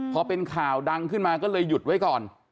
พอเป็นข่าวดังขึ้นมาก็เลยหยุดไว้ก่อน